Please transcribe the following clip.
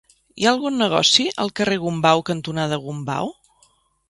Hi ha algun negoci al carrer Gombau cantonada Gombau?